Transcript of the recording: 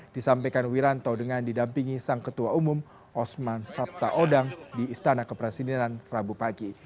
disampaikan wiranto dengan didampingi sang ketua umum osman sabta odang di istana kepresidenan rabu pagi